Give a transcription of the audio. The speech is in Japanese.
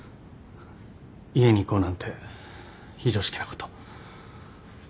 家に行こうなんて非常識なこと。